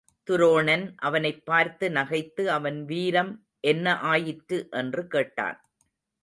துரோணன் அவனைப்பார்த்து நகைத்து அவன் வீரம் என்ன ஆயிற்று என்று கேட்டான்.